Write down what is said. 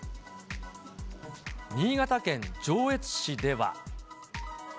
新潟県上越市では。